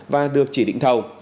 và được chỉ định thầu